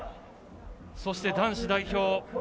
そして男子代表